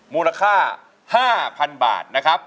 มูลค่า๕๐๐๐บาทนะครับ